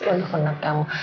untuk anak kamu